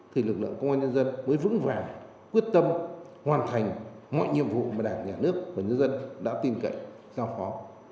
thì lực lượng công an nhân dân mới vững vàng quyết tâm hoàn thành mọi nhiệm vụ mà đảng nhà nước và nhân dân đã tin cậy giao phó